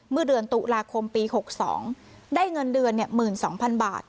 เมื่อเดือนตุลาคมปีหกสองได้เงินเดือนเนี่ยหมื่นสองพันบาท